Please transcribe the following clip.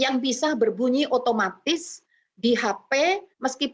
yang bisa berbunyi otomatis di hp meskipun hp itu mati apabila diaktifkan dari kabupaten atau kota